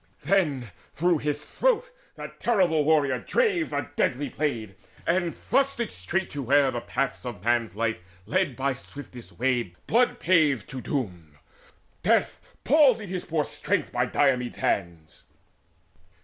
Then through his throat that terrible warrior drave The deadly blade, and thrust it straight to where The paths of man's life lead by swiftest way Blood paved to doom: death palsied his poor strength By Diomedes' hands.